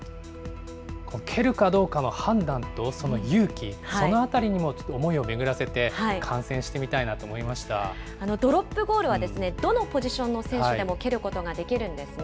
蹴るかどうかの判断とその勇気、そのあたりにもちょっと思いを巡らせて、観戦してみたいなと思いドロップゴールは、どのポジションの選手でも蹴ることができるんですね。